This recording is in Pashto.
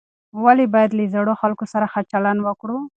ولې باید له زړو خلکو سره ښه چلند وکړو؟